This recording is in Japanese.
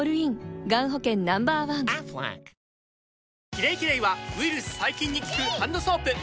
「キレイキレイ」はウイルス・細菌に効くハンドソープ！